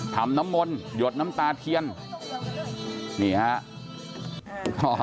น้ำมนต์หยดน้ำตาเทียนนี่ฮะ